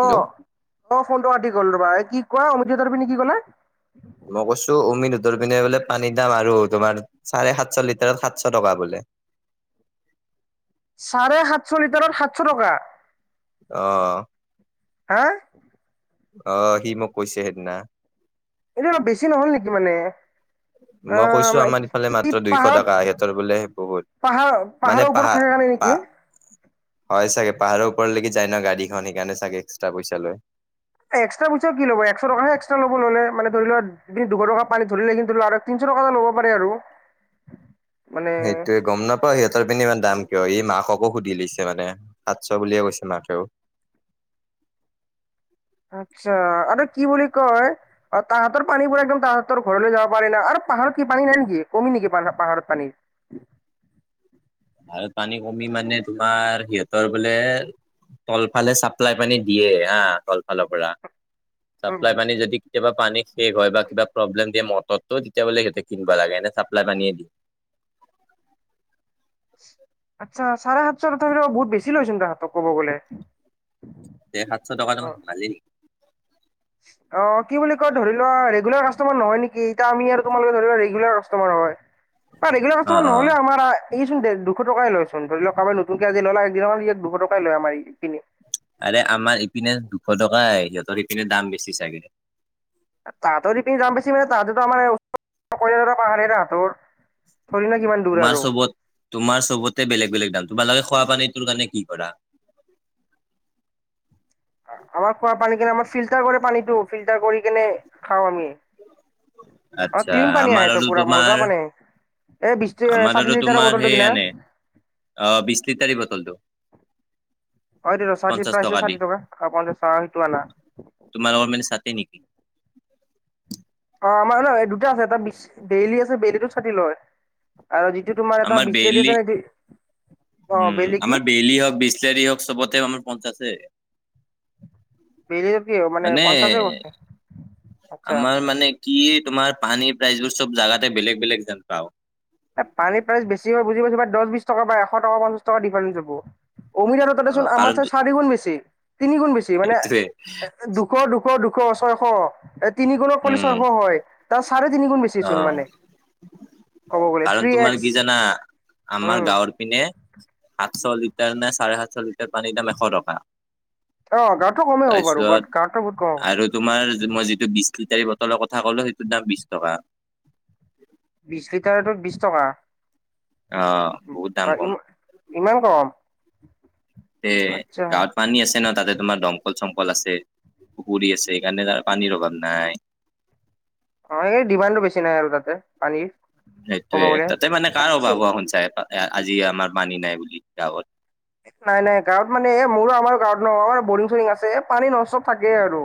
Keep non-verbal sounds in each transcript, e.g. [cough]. Hello অ', ফোনটো কাতি গ'ল ৰবা, এই কি কোৱা অমিতহতৰ পিনি কি ক'লা? মই কৈছো, অমিতহঁতৰ পিনে বোলে পানীৰ দাম আৰু তোমাৰ চাৰে সাতশ লিটাৰত সাতশ টকা বোলে। চাৰে সাতশ লিটাৰত সাতশ টকা? অ'। হা। অ', সি মোক কৈছে সেইদিনা। এইটো অলপ বেছি নহল নেকি মানে? অ মই কৈছো, মানে আমাৰ ইফালে মাত্ৰ দুইশ টকা সিহঁতৰ বোলে বহুত। মানে পাহাৰ-পাহাৰৰ ওপৰত পাহাৰ থাকে কাৰণে পা নেকি? হয়, চাগে পাহাৰৰ ওপৰলৈকে যাই ন গাড়ীখন সেইকাৰণে চাগে এক্সট্ৰা পইচা লয়। এক্সট্ৰা পইচা কি ল'ব, একশ টকা হে এক্ট্ৰা লব ল'লে, মানে ধৰি লোৱা দুশ টকা পানী ধৰিলে আৰু তিনশ [unintelligible] এটা ল'ব পাৰে আৰু। মানে সেইটোয়ে গম নাপাওঁ, সিহঁতৰ পিনে ইমান দাম? কিয়, এই মাককো সুধি লৈছে মানে সাতশ বুলিয়ে কৈছে মাকেও। আচ্ছা আৰু কি বুলি কয় অ', তাহঁতৰ পানীবোৰ একদম তাহাঁতৰ ঘৰলৈ যাব পাৰি না, আৰু পাহাৰত কি পানী নাই নেকি? কমি নেকি পা- পাহাৰত পানী। পাহাৰত পানী কমি মানে তোমাৰ সিহঁতৰ বোলে তলফালে চাপ্লাই পানী দিয়ে হা, তলফালৰ পৰা উম চাপ্লাই পানী যদি কেতিয়াবা পানী শেষ হয় বা কিবা প্ৰব্লেম দিয়ে মটৰটোত তেতিয়া বোলে সিহঁতে কিনিব লাগে, এনে চাপ্লাই পানীয়েই। আচ্ছা চাৰে সাতশ তথাপিও বহুত বেছি লৈছিল তাহাতক কব গ'লে। তে সাতশ টকা ত অ মান লাগেই। অ', কি বুলি কয় ধৰি লোৱা ৰেগুলাৰ কাষ্টমাৰ নহয় নেকি, এ আমি আৰু তোমালোকে ধৰি লোৱা কাষ্টমাৰ হয় বা অ ৰেগুলাৰ অ নহলেও আমা এই চোন দে দুশ টকাই লয় চোন, ধৰি লোৱা কাবাৰ নতুনকে আজি ল'লে একনৰ ই দুশ টকাই লয় আমাৰ ইখিনি। আৰে আমাৰ ইপিনে দুশ টকাই সিহঁতৰ ইপিনে দাম বেছি চাগে। তাঁতৰ [unintelligible] যাম পাইছি মানে তাঁতেতো আমাৰ [unintelligible] দূৰ তোমাৰ আৰু চবত তোমাৰ চবতে বেলেগ বেলেগ দান তোমাৰালোকে খোৱা প [unintelligible] কাৰণে কি কৰা আমাৰ খোৱা পানী কেনে আমাৰ ফিল্টাৰ কৰে পানীটো ফিল্টাৰ কৰি কেনে খাওঁ আমি অ আচ্ছা ক্লন পানী আমাৰ আহ ত আৰু পুৰা তোমাৰ মজা পানী এই বিশ আমাৰ আৰু ষাঠি লিটাৰৰ তোমাৰ বটলটো সেই কি না আনে অ বিশছ লিটাৰি বটলটো হয় [unintelligible] পঞ্চাশ প্ৰো দি ষাঠি টকা খ পাওঁ চাহ সেইটোনা তোমাৰ অ মানে [unintelligible] নেকি? অ আমাৰ ন দুটা আছে এটা বি বেইলি আছে বেইলি চাটি লয় আৰু যিটো তোমাৰ এটা আমাৰ বিচলে বেইলি দিছে নে উম আমাৰ বেলি হওক বিচলোৰী হওক চবতে আমাৰ পঞ্চা আছে বেইলি কি মানে পঞ্চাশে কৈছে আচ্ছা আমাৰ মানে কি তোমাৰ পানী প্ৰাইচবোৰ চব জাগাতে বেলেগ বেলেগ যেন পাও এ পানীৰ প্ৰাইচ বেছি হয় বুজিাইছ বা দহ বিশ টকা বা এশ টকা পঞ্চাশ টকা ডিফাৰেঞ্চ হব অমিত আৰুত দেচোন অ' আমাৰ কাৰণ চ চাৰিগুণ বেছি তিনি গুণ বেছি মান সেইটোৱে দুশ দুশ দু ছশ ছয়শ এ তিনি গুণক পালি উম, ছয়শ হয়। তাৰ চাৰে তিনি গুণ বেচিচোন অ' মানে ক'ব গ'লে কাৰণ থ্ৰী তোমাৰ এক্স কি জানা আমাৰ উম গাঁৱৰ পিনে সাতশ লিটাৰ নে চাৰে সাতশ লিটাৰ পানীৰ দাম এশ টকা অ গাঁৱতটো কমেই হ'ব বাৰু বাট তাৰপিছত গাঁৱতটো বহুত কম হ'ব আৰু তোমাৰ মই যিটো লিটাৰী বটলৰ কথা ক'লো সেইটোৰ দাম বিশ টকা বিশ লিটাৰটো বিশ টকা। অ' বহুত দাম বা কম। ই ইমান কম তে আচ্ছা গাঁৱত পানী আছে ন তাতে তোমাৰ দমকল চমকল আছে পুখুৰী আছে সেইকাৰণে তাৰ পানীৰ অভাৱ নাই অ এই ডিমাণ্ডো বেছি নাই আৰু তাতে পানীৰ ক'ব সেইটোয়ে গ'লে তাতে মানে কাৰ অভাৱ হোৱা শুনচা আজি আমাৰ পানী নাই বুলি গাঁৱত নাই নাই গাঁৱত মানে এ মোৰো আমাৰ গত নহম বৰিং চৰিং আছে পানী নষ্টব থাকে আৰু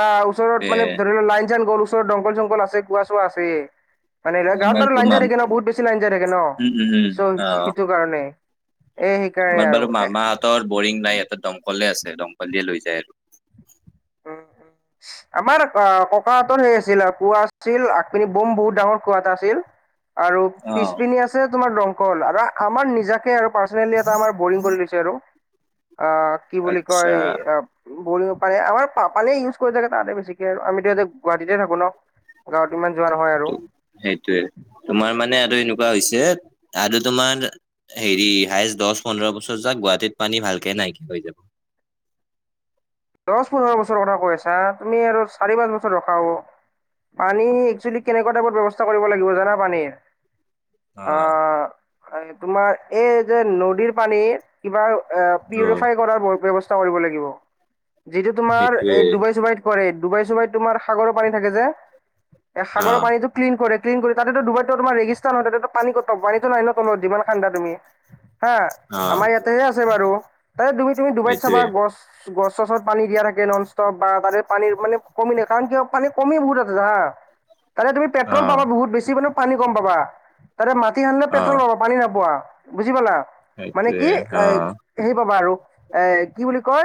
বা ওচৰত তে মানে ধৰি লও লাইন চাইন গ'ল ওচৰত দংকল চংকল আছে কোৱা চোৱা আছে মানে গাঁৱত আমাৰতো বাৰু মা [unintelligible] থাকে ন বহুত বেছি [unintelligible] থাকে ন উম, উম, উম, চ' অ, সেইটো কাৰণে এ সেইকাৰণে আমাৰ বাৰু মামাহঁতৰ বৰিং নাই ইতে দমকলে আছে দমকল দিয়ে লৈ যায় আৰু আৰু আমাৰ ককাহঁতৰ সেই আছিল কোঁৱা আছিল আক পিনি বোম বহুত ডাঙৰ কোঁৱা এটা আছিল আৰু অ, পিছপিনি আছে তোমাৰ দমকল আৰু আমাৰ নিজাকে আৰু পাৰ্চনেলি এটা আমাৰ বৰিং কৰি লৈছে আৰু অ, কি বুলি আচ্ছা কয় অ [unintelligible] পাৰে আমাৰ প পানীয়ে ইউজ কৰি থাকে তাতে বেছিকে আৰু আমিতোতে গুৱাহাটীতে থাকো ন গাৱত ইমান যোৱা নহয় আৰু ত সেইটোৱে তোমাৰ মানে আৰু এনেকুৱা হৈছে আৰু তোমাৰ হেৰি হাইষ্ট দহ পোন্ধৰ বছৰ যাক গুৱাহাটীত পানী ভালকে নাইকিয়া হৈ যাব দহ পোন্ধৰ বছৰৰ কথা কৈ আছা তুমি আৰু চাৰি পাঁচ বছৰ ৰখা হ'ব পানী একচুৱেলি কেনেকুৱা টাইপৰ ব্যৱস্থা কৰিব লাগিব জানা পানীৰ অ, আহ তোমাৰ এই যে নদীৰ পানী কিবা অ, পিউৰিফাই কৰাৰ ব্যাবস্থা লাগ যিটো তোমাৰ সেইটোৱে এই ডুবাই চুবাইত কৰে ডুবাই চুবাই তোমাৰ সাগৰ থাকে যে অ, সাগৰৰ পানীটো ক্লিন কৰে ক কৰি তাতে ডুবাই তোৰ [unintelligible] ন হয় ততে পান কট পানী ল যিমান খান্ডা তুমি হা অ, আমাৰ ইয়াতেহে আছে বাৰু তাই তুমি তুমি ডুবাইত বা সেইটোৱে গছ [unintelligible] তাতে তুমি অ, পেট্ৰল পাবা বহুত বেছি মানে পানী কম পাবা তাতে মাটি সানিলে অ, পেট্ৰল পাবা পানী নাপোৱা। বুজি পলা? মানে সেইটোৱে কি এ অ, হেই পাবা আৰু এ কি বুলি কয়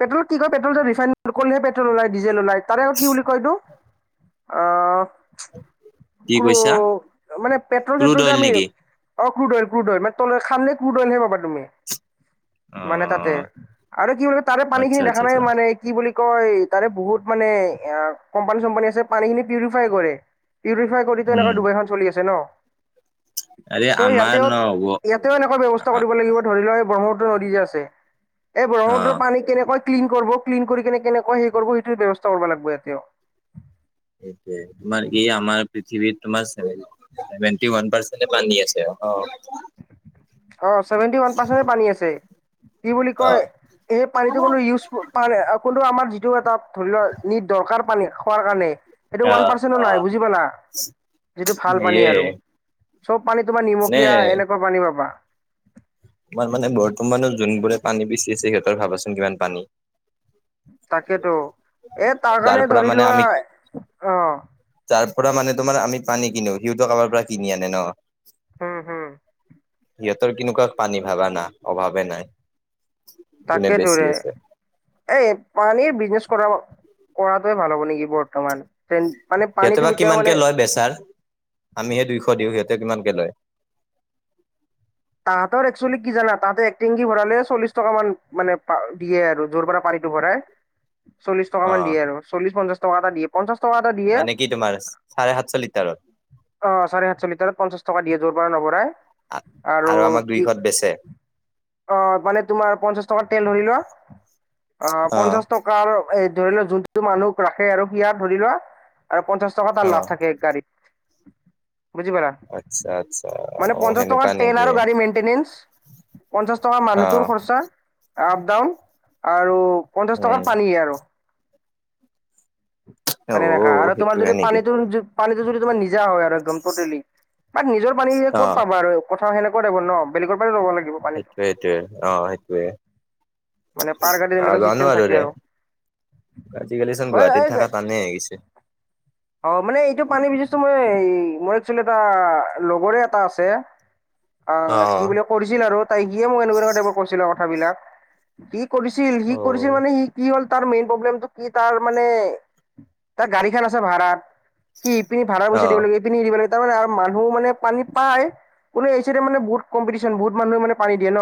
পেট্ৰলত কি কয়? পেট্ৰল যে ৰিফাইন কৰিলেহে পেট্ৰল ওলাই, ডিজেল ওলাই তাৰে আগত কি বুলি কয়তো এটিটো? অ কি কো কৈছা মানে ক্ৰুড পেট্ৰল-চেট্ৰল যে অইল আমি নেকি? অ ক্লুড অইল ক্লুড অইল মান তলৰ খানলে ক্ৰুড অলইহে পাবা তুমি। অ, মানে তাতে আৰু কি বুলি তাৰে আচ্ছা, পানীখিনি আচ্ছা, দেখা নাই আচ্ছা, মানে কি কি বুলি কয়? তাৰে বহুত মানে কম্পানী-চপানী আছে পানী খিনি পিউৰিফাই কৰে। পিউৰিফাই কৰি উম, এনেকুৱা দুবাইখন চলিছে ন। আৰে চ' আমাৰ ইয়াতেও, নহ'ব ইয়াতেও এনেকুৱা ব্যৱস্থা কৰিব লাগিব। ধৰি লোৱা এই ব্ৰহ্মপুত্ৰ নদী যে আছে, এই অ, ব্ৰহ্মপুত্ৰৰ পানী অই ক্লিন কৰিব, ক্লিন কৰিকেনে কেনেকুৱা হেই কৰিব সেইটোৰ ব্যৱস্থা কৰিব লাগিব ইয়াতে। সেইটোৱে তোমাৰ কি আমাৰ পৃথিৱীত তোমাৰ চেভে-চেভেণ্টি ওৱান পাৰ্চ পানী আছে অ। অ চছেভেনটি ওৱান পাৰ্চেন্ট পানী আছে। কি বুলি কয়, এই পানীটো কোনটো ইউজ প [unintelligible] কোনটো আমাৰ যিটো এটা ধৰি লোৱা নিট দৰকাৰ পানী খোৱাৰ কাৰণে সেইটো ওৱান পাৰ্চেন্ত নাই বুজি পালা। যিটো ভাল পানী সেয়ে আৰু, চব পানী তোমাৰ মানে নিমখীয়া এনেকুৱা পানী পাবা। তোমাৰ মানে বৰ্তমানৰ যোনবোৰে পানী বেচি আছে, সিহঁতৰ ভাবাচোন কিমান পানী। তাকেতো এ তাৰ যাৰ কাৰণে পৰা ধৰি মানে লোৱা অ পুৰা মানে তোমাৰ আমি পানী কিনো, সিহঁতো কাৰোবাৰ পৰা কিনি আনে ন। হম হম। সিহঁতৰ কেনেকুৱা পানী ভবা না অভাৱে নাই। যোনে বেছি তাকেটোৰে, আছে এই পানীৰ বিজনেছ কৰা কৰাটোৱে ভাল হ'ব নেকি বৰ্তমান তেন সিহঁতেৰ বা কিমানকে লয় বেচাৰ? আমিহে দুইশ দিওঁ। সিহঁতে কিমানকে লয়? তাহাঁতৰ আৰু একচলি কি জানা তাহাঁতে টিঙদি ভৰালে চল্লিশ টকা মান মানে দিয়ে আৰু, যৰ পৰা পানীটো ভৰাই। চল্লিছটকা মান অ', দিয়ে আৰু, চল্লিছ পঞ্চাছ টকা এটা দি পঞ্চাশ টকা এটা দিয়ে, মানে কি তোমাৰ চাৰে সাতশ লিটাৰত অ চাৰে সাতশ লিটাৰত পঞ্চাশ টকা দিয়ে। যৰ পৰা নভৰাই। আৰু আমাক কি, দুইশত বেচে অ মানে তোমাৰ পঞ্চাশ টকাৰ তেল ধৰি লোৱা। অ পঞ্চাশ টকাৰ এ ধৰি লোৱা যোনটো মানুহ ৰাখে আৰু সেয়া ধৰি লোৱা আৰু পঞ্চাশ টকা তাৰ অ'। লাভ থাকে একগাড়ীত। বুজি পালা? আচ্ছা আচ্ছা মানে অ পঞ্চাশ টকাত সেনেকুৱা নেকি তাৰো গাড়ী মেন্টেনিনচ, পঞ্চাশ টকা অ মানুহৰ খৰচা, আপ ডাউন আৰু পঞ্চাশ উম টকাত পানী আৰু। অ পানী নেখা আৰু তোমাৰ সেইটোয়ে যদি নেকি পানীটোৰ পানীটো যদি তোমাৰ নিজা হয় আৰু একদম টুটেলি, বাদ নিজৰ পানী অ ক'ত পাবা আৰু কথা [unintelligible] ন বেগৰ পৰা লাগ সেইটোৱে সেইটোৱে অ সেইটোৱে। মানে পাৰ গাডী এনেকুৱা চিষ্টেম থাকে আৰু। আজিকালিচোন মই গুৱাহাটীত এই থাকা টানেই গিছে। অ মানে এইটো পানী বিজনেচটো মই এই মোৰ একচোৱেলি এটা লগৰে এটা আছে। অ কি বুলে কৰিছিল আৰু তাইক গিয়ে মোক এনেকুৱা টাইপ কৈছিলে কথাবিলাক। কি কৰিছিল সি অ কৰিছিল মানে সি কি হ'ল তাৰ মেইন প্ৰব্লেমটো কি, তাৰ মানে তাৰ গাড়ী খান আছে ভা়ৰাত। সি ইপিনে ভাড়াৰ অ অ পইচা দিব লাগে, ই পিনে দিব লাগে, তাৰমানে আৰু মানুহ মানে পানী পায়। বুলো এই এইচতে বহুত কম্পিটিচন, বহুত মানুহে মানে পানী দিয়ে ন।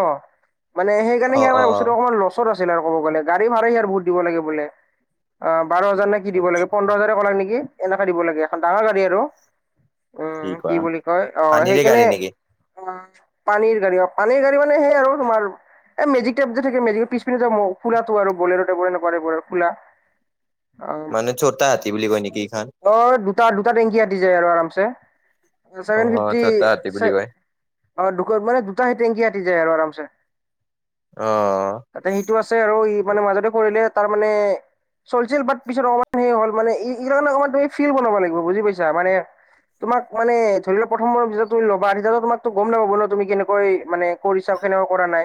মানে সেইকাৰণে অ অ সিয়াৰ বস্তুটো অকমান লছত আছে ক'ব গলে গাড়ী ভা়ড়া বহুত দিব লাগে বোলে, বাৰ হাজাৰ নে কি দিব আচ্ছা লাগে পন্ধৰ হাজ কলে নি। কি এনকা দিব লাগে এখন ডাঙৰ গাড়ী আৰু উম কি বুলি কয় অ সেই পানীৰে কেনে। গাড়ী নেকি পানীৰ গাড়ী পানীৰ গাড়ী মানে সেই আৰু তোমাৰ, মেজিকটেপ যে থাকে মেজিক পিছ পিনে যে খোৰাটো আৰু সেনেকুৱাটাইবৰ খোলা। অ মানে চটা হাতী বুলি কয় নেকি? এইখন অ', দুটা দুটা টেংকি ইয়াত দি যায় আৰু আৰামছে। অ ছেভেন ফিফটি চটা হাতী ছে, বুলি কয় অ', দুকন মানে দুটা হে টেংকি আাটি যায় আৰু আৰামছে। অ তাতে সেইটো আছে আৰু ই। মানে মাজতে কৰিলে তাৰ মানে চলছিল বাট পিছত অকমান সেই হ'ল মানে ই সি তাৰ মানে অকণমান টাইম ফিল বনাব লাগিব বুজি পাইছা মানে, তোমাকা মানে ধৰি লোৱা প্ৰথম পিছত তুমি ম ল'বা তোমাকতো গম নাপাব ন তুমি কেনেকুৱা মানে। কৰি চাও কেনুকা কৰা নাই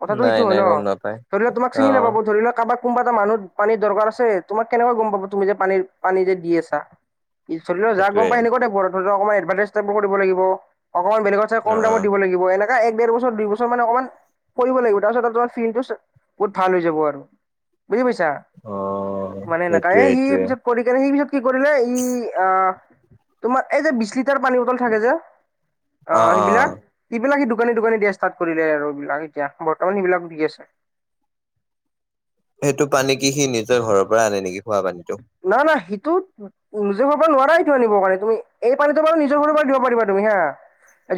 কথাটো নাই সেইটো হয় নাই ন গম নাপায় ধৰি লোৱা তোমাক অ চিনি নাপাব ধৰি লোৱা কাবাক কোনোবা এটা মানুত পানীৰ দৰকাৰ আছে তোমাক কেনেকৈ গম পাব তুমি যে পানী পানী যে দি আছা। পল ও য গম সেইটোৱে পায় সেনেুৱা থাককমান এডভাৰটাইজ টাইো কৰিব লাগিব। অকণমান বেলেগত চাই অ কম অ দামত দিব লাগিব এনে এক ডেৰ বছৰ দুই বছৰ মানে অকণমান কৰিব লাগিব তাৰপিছত আৰু তাৰ ফিনটো বহুত ভাল হৈ যাব আৰু বুজি পাইছা অ মানে নাকায়ে সেইটোৱে সেইটোৱে সি কৰি কেনে সেই পিছত কি কৰিলে ই আহ তোমাৰ এই যে বিশ লিটাৰ পানী বটল থাকে যে অ অ অ সেইবিলাক কি বিলাক সি দোকানী দোকানী দিয়া ষ্টাট কৰিলে আৰু সেইবিলাক এতিয়া বৰ্তমান সেইবিলাক ভুগি আছে। সেইটো পানী কি সি নিজৰ ঘৰৰ পৰা আনে নেকি, খোৱা পানীটো। [unintelligible] নিজৰ ঘৰৰ পৰা নোৱাৰা সেইটো আনিব কাৰণে তুমি, এই পানীটো বাৰু নিজৰ ঘৰৰ পৰা দিব পাৰিবা তুমি হা।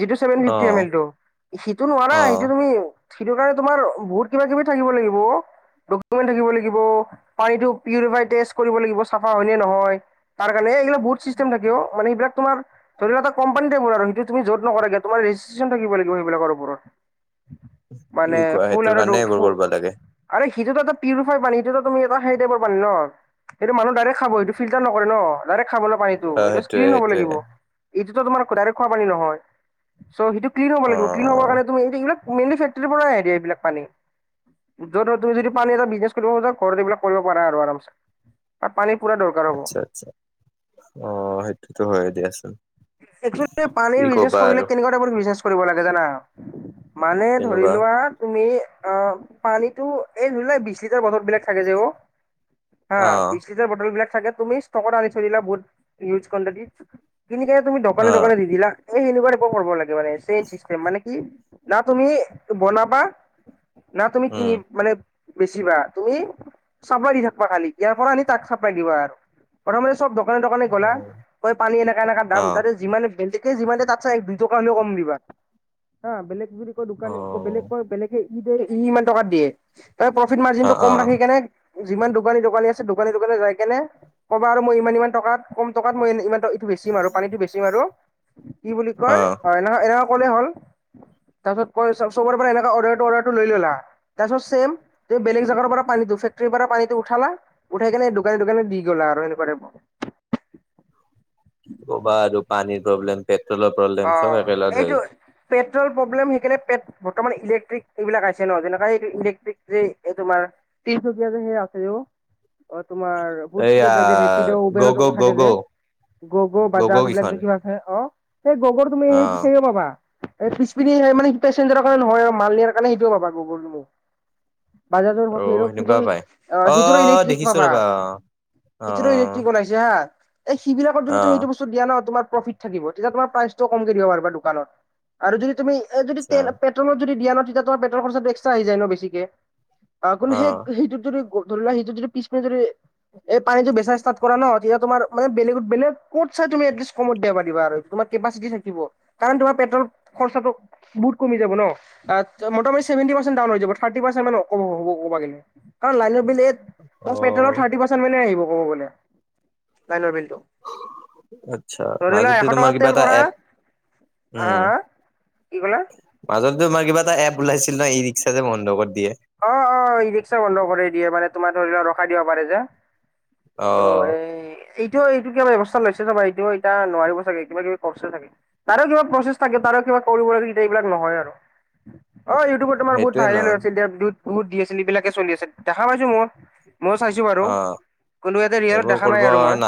যিটো ছেভেন অ ফিফটি এম এল টো, সিটো নোৱাৰা, অ সেইটো তুমি সেইটো কাৰণে তোমাৰ বহুত কিবা কিবি থাকিব লাগিব ও। ডকুমেণ্ট থাকিব লাগিব, পানীটো পিউৰীফাই টেষ্ট কৰিব লাগিব চাফা হয় নে নহয়, তাৰ কাৰণে এইবিলাক বহুত চিষ্টেম থাকেও, মানে সেইবিলাক তোমাৰ ধৰি লোৱা এটা কম্পেনী টাইপ [unintelligible] তুমি য'ত নকৰা কিয়, তোমাৰ ৰেজিষ্ট্ৰেচন থাকিব লাগিব, সেইবিলাকৰ ওপৰত। মানে কি কোৱা ফুল সেইটোৰ আৰু কাৰণে এইবোৰ ডকফু কৰিব লাগে আৰে সেইটোতো পিউৰিফাইড পানী, সেইটো তুমি এটা সেই টাইপৰ পানী ন', সেইটো মানুহ ডাইৰেক্ট খাব। সেইটো ফিল্টাৰ নকৰে ন'। ডাইৰেক্ট খাবলৈ পানীটো, অ এইটো সেইটোয়ে ক্লিন হ'ব লাগিব। সেইটোয়ে এইটোতো তোমাৰ ডাইৰেক্ট খোৱা পানী নহয়, চ' সেইটো ক্লীন হ'ব অ লাগিব, ক্লীন হ'ব কাৰণে তুমি এই মেইনলি ফেক্টৰীৰ পৰাই আহে দিয়া এইবিলাক পানী। যদি তুমি যদি পানী এটা বিজনেছ কৰিব খোজা, ঘৰত এইবিলাক কৰিব পাৰা আৰু আৰামছে, আৰু পানী আচ্ছা, আচ্ছা, অ', সেইটোতো হয়ে দিয়াচোন। এক্সুএলি, কি পানীৰ বিজনেছ কবা কৰিলে আৰু কেনেকুৱা টাইপৰ বিজনেছ কৰিব লাগে জানা? মানে ধৰি তেনেকুৱা লোৱা, তুমি অ', পানীতো এই ধৰি লোৱা, এই বিশ লিটাৰ বতলবিলাক থাকে যে ও হা, অ বিছলিটাৰ বটলবিলাক থাকে, তুমি ষ্ট'কত আনি থৈ দিলা [unintelligible] কিনি কিনে তুমি দোকানে অ দোকানে দি দিলা, এই সেনেকুৱা টাইপৰ কৰিব লাগে মানে, চেম চিষ্টেম, মানে না তুমি বনাবা, না তুমি কিনি উম মানে বেছিবা, তুমি চাপ্লাই দি থাকিবা খালি। ইয়াৰ পৰা আনি তাক চাপ্লাই দিবা আৰু। প্ৰথমে সব দোকানে দোকানে অ গ'লা, কৈ পানী এনেকা এনেকা দাম অ তাতে যিমান এহ যিমানে, তাতচাই দুই টকা হ'লেও কম দিবা, হা। বেলেগ যদি কয়, দোকান বেলেগ অ কয় বেলেগেই। - ই ইমান টকাত দিয়ে, তাৰে প্ৰ'ফিট মাৰ্জিনটো অ কম ৰাখি কেনে যিমান দোকানী-দোকানী আছে দোকানে দোকানে যাই কেনে ক'বা আৰু, মই ইমান-ইমান টকাত, কম টকাত মই ইমান বেছি মাৰোঁ আৰু পানীটো বেছি মাৰোঁ। কি বুলি অ কয়, হয় নহ এনেকুৱা ক'লে হ'ল তাৰপিছত কৈ সবৰে পৰা এনেকা অৰ্ডাৰটো-অৰ্ডাৰটো লৈ ল'লা, তাৰপাছত ছেম, বেলেগ জাগাৰ পৰা পানী দু ফেক্টৰীৰপৰা পানীটো উঠালা, উঠাই কেনে এই দোকানে দোকানে দি গ'লা আৰু সেনেকুৱা টাইপৰ। [inaudible] কি ক'বা আৰু পানীৰ প্ৰব্লেম, পেট্ৰ'লৰ প্ৰব্লেম চব একেলগে হৈছে। ট্ৰল প্ৰব্লেম, সেইকাৰণে পেট বৰ্তমান ইলেক্ট্ৰিক এইবিলাক আহিছে ন', যেনেকুৱা ইলেকট্ৰিক যে তোমাৰ তিচকিয়া যে সেই আছে যে অ তোমাৰ বহুত এইয়া স্পীডত যায় যে ৰেপি'ড, গ' উবেৰত গ' গ' থাকে যে। গ' গ'গ, গ' গ' বাজাজ, এইবিলাক কেইখন যে কিবা আছে অ'। সেই গ'গৰ তুমি অ সেই-সেইয়ো পাবা। এই পিছপিনে মানে পেচেঞ্জাৰৰ কাৰণে নহয়, মাল নিয়াৰ কাৰণে সেইটোও পাবা গ'গৰ তুমি। বাজাজ'ৰ বা আৰু ফিৰ'ৰ ফিৰ' সেনেকুৱা পাই আ, অ ফিজৰ'ৰ ইলেক্ট্ৰিক দেখিছো পাবা। ৰবা অ অ এইটোৰো ইলেকট্ৰিক বনাইছে হা। এই সিবিলাকৰ দৰে অ তুমি এইটো বস্তু দিয়া ন', তোমাৰ প্ৰ'ফিট থাকিব। তেতিয়া তোমাৰ প্ৰাইচটোও কমকে দিব পাৰিবা দোকানত আৰু যদি তুমি এ, যদি আচ্ছা পেট্ৰ'লৰ যদি দিয়া ন', তেতিয়া তোমাৰ পেট্ৰলৰ খৰচাটো এক্সট্ৰা আহি যায় বেছিকে। আ, অ সেই-সেইটোত যদি ধৰি লোৱা, সিটো যদি পিছপিনে যদি এই পানীটো বেচা ষ্টাৰ্ট কৰা ন' তেতিয়া তোমাৰ বেলেগৰ-বেলেগৰ তুমি এটলিষ্ট কমত দিবা পাৰিবা আৰু। তোমাৰ কেপাচিটি থাকিব, কাৰণ তোমাৰ পেট্ৰ'লৰ খৰচাটো বহুত কমি যাব ন', মোটামটি চেভেন্টি পাৰ্চেণ্ট ডাউন হৈ যাব, থাৰ্টি পাৰ্চেণ্ট মান কম হ'ব, ক'বা গেলি, কাৰণ লাইন বিল এই পেট্ৰলত অ থাৰ্টি পাৰ্চেণ্ট মানহে আহিব ক'ব গ'লে লাইনৰ বিল। আচ্ছা, মাজতে তোমাৰ কিবা এটা পৰা, এপ হা, হা কি ক'লা? মাজত যে তোমাৰ কিবা এটা এপ ওলাইছিল নহয়, ইৰিক্সা যে বন্ধ কৰি দিয়ে অ', অ' ইৰিক্সা বন্ধ কৰি দিয়ে, মানে তোমাৰ ধৰি লোৱা ৰখাই দিব পাৰে যে। অ এইটো, এই এইটোও এইটো কিবা ব্যৱস্থা লৈছে চাবা, এইটোও এতিয়া নোৱাৰিব চাগে কিবা কিবি কৰিছে চাগে তাৰে কিবা প্ৰচেছ থাকে তাৰ কিবা কৰিব লাগে যেতিয়া এইবিলাক নহয় আৰু। অ' ইউটিউবত তোমাৰ বহুত সেইটোয়ে ন ভাইৰেল হৈ আছিল দিয়া, বহুত দি আছিল, এইবিলাকে চলি আছিল দেখা পাইছো মই। ময়ো চাইছোঁ বাৰু, অ কোনো এয়াতে ৰিয়ালত এইবোৰ দেখা কৰিব নাই আৰু মই। না